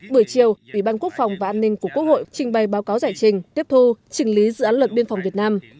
buổi chiều ủy ban quốc phòng và an ninh của quốc hội trình bày báo cáo giải trình tiếp thu trình lý dự án luật biên phòng việt nam